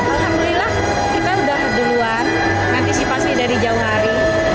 alhamdulillah kita sudah berluar nanti si pasti dari jauh hari